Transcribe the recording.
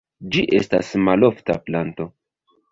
Ĝi estas malofta planto.